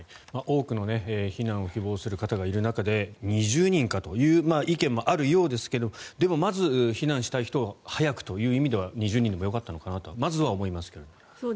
多くの避難を希望する方がいる中で２０人かという意見もあるようですがでもまず避難したい人は早くという意味では２０人でもよかったのかなとまずは思いますけど。